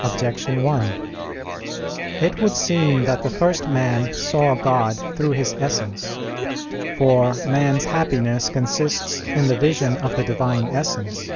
Objection 1: It would seem that the first man saw God through His Essence. For man's happiness consists in the vision of the Divine Essence.